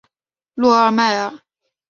洛尔迈埃。